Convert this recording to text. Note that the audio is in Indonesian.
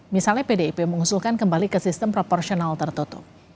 misalnya pdip mengusulkan kembali ke sistem proporsional tertutup